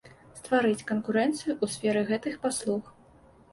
Стварыць канкурэнцыю ў сферы гэтых паслуг.